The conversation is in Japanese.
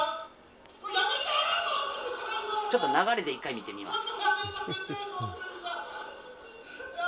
ちょっと流れで１回見てみます。